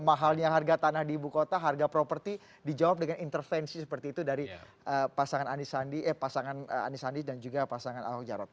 mahalnya harga tanah di ibu kota harga properti dijawab dengan intervensi seperti itu dari pasangan anisandi dan juga pasangan ahok jarot